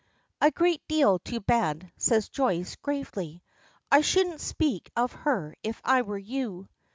"A great deal too bad," says Joyce, gravely. "I shouldn't speak of her if I were you."